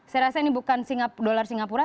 saya rasa ini bukan singap dolar singapura